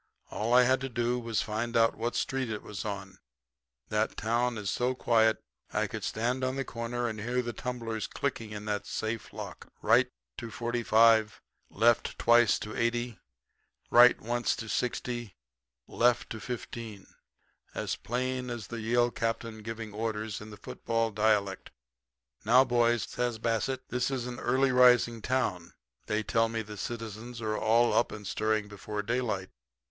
All I had to do was to find out what street it was on. That town is so quiet that I could stand on the corner and hear the tumblers clicking in that safe lock "right to 45; left twice to 80; right once to 60; left to 15" as plain as the Yale captain giving orders in the football dialect. Now, boys,' says Bassett, 'this is an early rising town. They tell me the citizens are all up and stirring before daylight.